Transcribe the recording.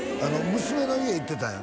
娘の家行ってたんよ